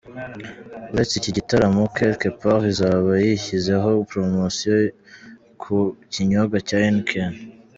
Uretse iki gitaramo, Quelque Part izaba yashyizeho promosiyo ku kinyobwa cya Heineken.